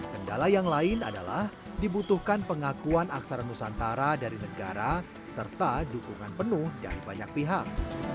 kendala yang lain adalah dibutuhkan pengakuan aksara nusantara dari negara serta dukungan penuh dari banyak pihak